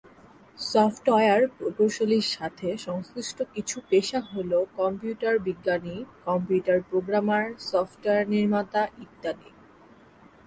Software প্রকৌশলীর সাথে সংশ্লিষ্ট কিছু পেশা হল কম্পিউটার বিজ্ঞানী, কম্পিউটার প্রোগ্রামার, সফটওয়্যার নির্মাতা, ইত্যাদি।